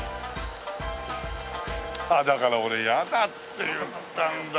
あっだから俺ヤダって言ったんだよ。